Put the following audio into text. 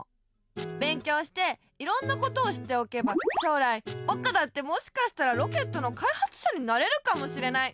勉強していろんなことを知っておけば将来ぼくだってもしかしたらロケットのかいはつしゃになれるかもしれない。